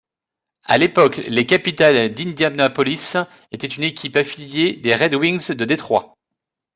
À l'époque les Capitals d'Indianapolis étaient une équipe affiliée des Red Wings de Détroit.